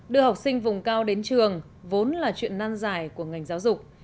đưa học sinh vùng cao đến trường vốn là chuyện năn giải của ngành giáo dục